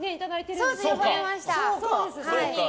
そうです！